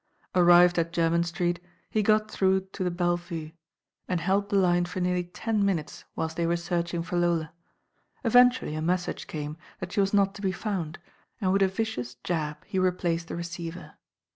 Arrived at Jermyn Street, he got through to the Belle Vue, and held the line for nearly ten minutes whilst they were searching for Lola. Eventually a message came that she was not to be found, and with a vicious jab he replaced the receiver.